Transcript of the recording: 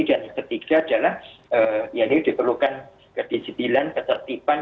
dan yang ketiga adalah ini diperlukan kedisiplinan ketertiban